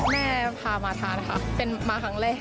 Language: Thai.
แม่พามาทานค่ะเป็นมาครั้งแรก